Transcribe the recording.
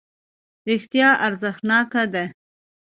رښتیا ارزښتناکه ده.